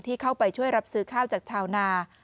เข้าไปช่วยรับซื้อข้าวจากชาวนา